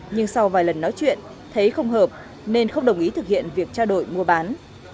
nhưng sau vài lần nói chuyện thấy không hợp nên không đồng ý thực hiện việc trao đổi mua bán